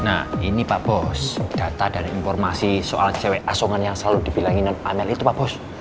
nah ini pak bos data dari informasi soal cewek asongan yang selalu dibilangin amel itu pak bos